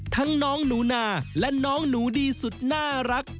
น้องหนูนาและน้องหนูดีสุดน่ารัก